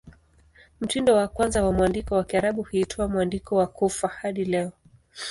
Mtindo wa kwanza wa mwandiko wa Kiarabu huitwa "Mwandiko wa Kufa" hadi leo.